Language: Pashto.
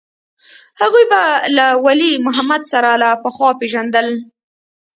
هغوى به له ولي محمد سره له پخوا پېژندل.